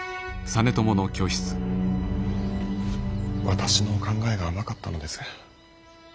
私の考えが甘かったのです。